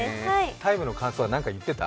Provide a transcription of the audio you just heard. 「ＴＩＭＥ，」の感想は何か言ってた？